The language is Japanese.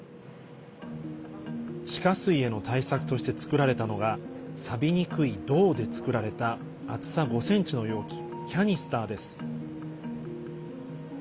地下水への対策として作られたのがさびにくい銅で作られた厚さ５ｃｍの容器キャニスターです。